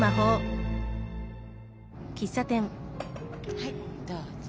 はいどうぞ。